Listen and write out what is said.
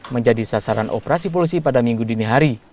menjadi sasaran operasi polusi pada minggu dini hari